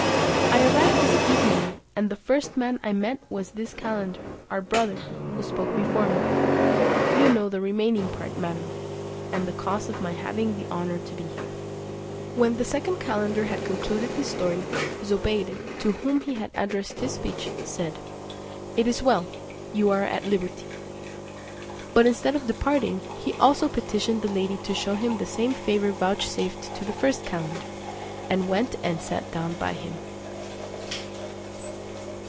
I arrived this evening, and the first man I met was this calender, our brother, who spoke before me. You know the remaining part, madam, and the cause of my having the honour to be here. When the second calender had concluded his story, Zobeide, to whom he had addressed his speech, said, "It is well, you are at liberty." But instead of departing, he also petitioned the lady to shew him the same favour vouchsafed to the first calender, and went and sat down by him.